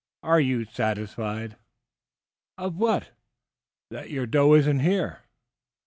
"Are you satisfied?" "Of what?" "That your doe isn't here?"